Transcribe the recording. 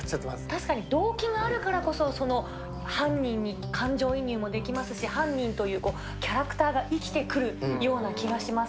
確かに動機があるからこそ、その犯人に感情移入もできますし、犯人というキャラクターが生きてくるような気がします。